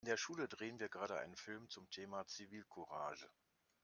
In der Schule drehen wir gerade einen Film zum Thema Zivilcourage.